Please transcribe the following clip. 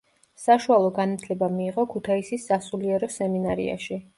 საშუალო განათლება მიიღო ქუთაისის სასულიერო სემინარიაში.